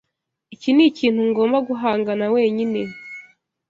Iki nikintu ngomba guhangana wenyine.